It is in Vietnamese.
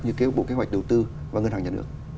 như kế bộ kế hoạch đầu tư và ngân hàng nhà nước